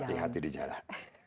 hati hati di jalan